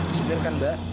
bener kan mbak